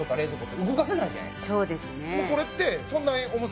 そうですね。